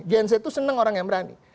gen z itu senang orang yang berani